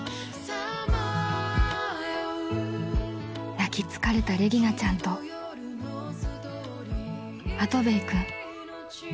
［泣き疲れたレギナちゃんとマトヴェイ君］